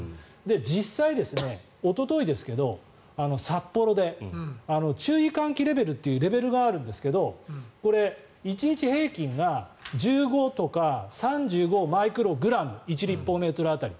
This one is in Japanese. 実際、おとといですけど、札幌で注意喚起レベルというレベルがあるんですけど１日平均が１５とか３５マイクログラム１立方メートル当たり。